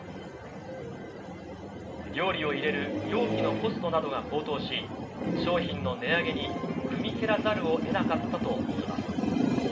料理を入れる容器のコストなどが高騰し、商品の値上げに踏み切らざるをえなかったといいます。